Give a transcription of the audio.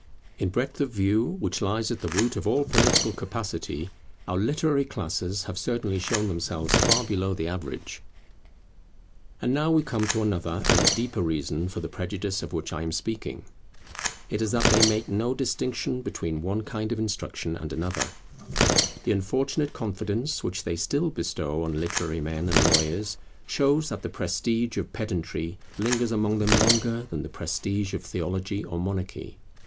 In breadth of view, which lies at the root of all political capacity, our literary classes have certainly shown themselves far below the average. [Their mistaken preference of literary and rhetorical talent to real intellectual power] And now we come to another and a deeper reason for the prejudice of which I am speaking. It is that they make no distinction between one kind of instruction and another. The unfortunate confidence which they still bestow on literary men and lawyers shows that the prestige of pedantry lingers among them longer than the prestige of theology or monarchy.